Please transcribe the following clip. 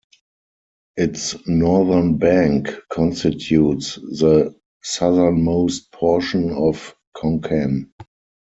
Its northern bank constitutes the southernmost portion of Konkan.